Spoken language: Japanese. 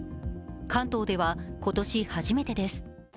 関東では今年初めてです。